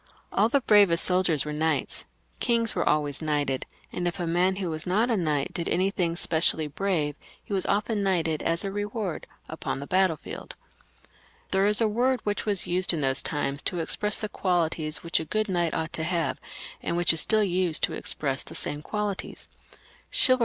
All the bravest soldiers were knights, kings were always knighted, and if a man who was not a knight did anything specially brave, he was often knighted, as a reward, upon the battlefield. There is a word which was used in those times to express the qualities which a good knight ought to have, and which is still used to express the same qualities ; chival IS PHILIP L [CH.